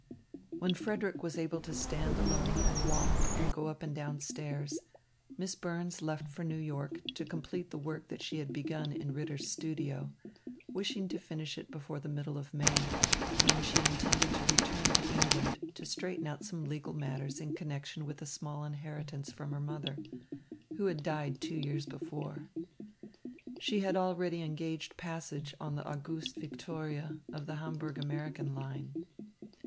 When Frederick was able to stand alone and walk and go up and down stairs, Miss Burns left for New York to complete the work that she had begun in Ritter's studio, wishing to finish it before the middle of May, when she intended to return to England to straighten out some legal matters in connection with a small inheritance from her mother, who had died two years before. She had already engaged passage on the Auguste Victoria of the Hamburg American line.